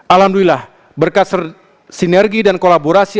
alhamdulillah berkas sinergi dan kolaborasi